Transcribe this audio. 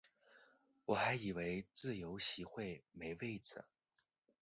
我还以为自由席会没位子